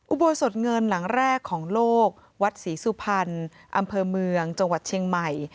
อุโบสถเงินหลังแรกของโลกวัดศรีสุพรรณอำเภอเมืองจังหวัดเชียงใหม่